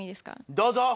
どうぞ。